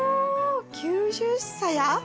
９０さや？